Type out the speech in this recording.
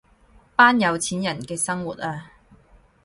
班有錢人嘅生活啊